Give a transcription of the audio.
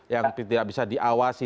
yang tidak bisa diawasi